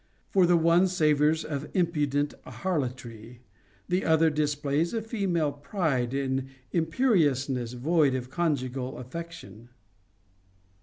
For the one savors of impudent harlotry, the other displays a fe male pride and imperiousness void of conjugal affection.